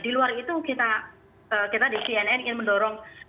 di luar itu kita di cnn ingin mendorong